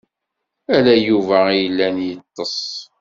Ala Yuba i yellan yeṭṭes.